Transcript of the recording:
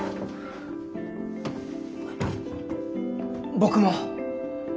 僕も。